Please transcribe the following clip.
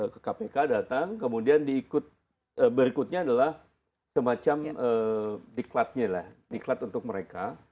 ke kpk datang kemudian berikutnya adalah semacam deklatnya lah deklat untuk mereka